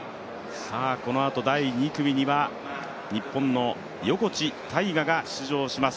このあと第２組には日本の横地大雅が出場します。